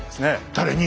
誰に？